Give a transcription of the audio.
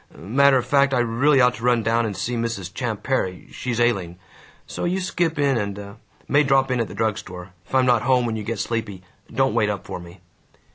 ... Matter of fact, I really ought to run down and see Mrs. Champ Perry. She's ailing. So you skip in and May drop in at the drug store. If I'm not home when you get sleepy, don't wait up for me."